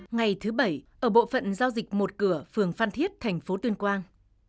ngày thứ bảy ở bộ phận giao dịch một cửa phường phan thiết thành phố tuyên quang